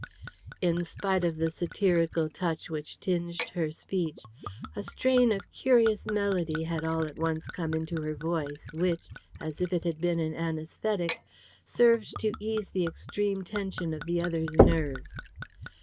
In spite of the satirical touch which tinged her speech, a strain of curious melody had all at once come into her voice which as if it had been an anæsthetic served to ease the extreme tension of the other's nerves.